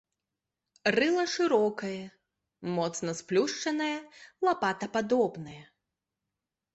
Рыла шырокае, моцна сплюшчанае, лапатападобнае.